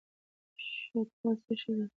شوتله څه شی ده؟